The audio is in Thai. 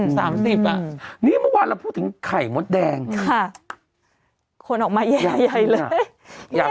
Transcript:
สามสิบอ่ะนี่เมื่อวานเราพูดถึงไข่มดแดงค่ะคนออกมาใหญ่ใหญ่เลยอยาก